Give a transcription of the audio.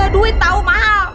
duit tau mahal